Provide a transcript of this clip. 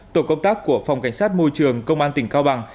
tổ công tác của phòng cảnh sát môi trường công an tỉnh cao bằng